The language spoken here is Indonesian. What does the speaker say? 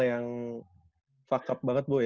yang fuck up banget boi